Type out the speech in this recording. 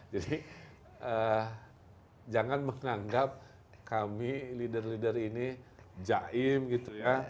jadi jangan menganggap kami leader leader ini jaim gitu ya